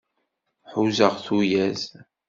Huzzeɣ tuyat.